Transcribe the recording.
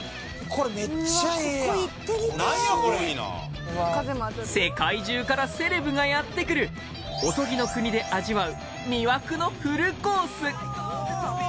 これすごいな世界中からセレブがやってくるおとぎの国で味わう魅惑のフルコースおお！